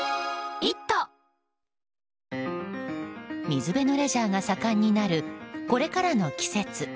水辺のレジャーが盛んになるこれからの季節。